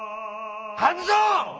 半蔵！